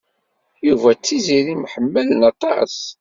Yuba d Tiziri mḥemmalen aṭas.